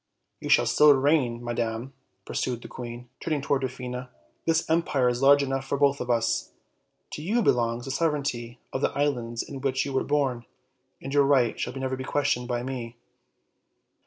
"You shall still reign, madam," pursued the queen, turning to Dwarfina; "this empire is large enough for both of us. To you belongs the sovereignty of the islands in which you were born, and your right shall never be questioned by me.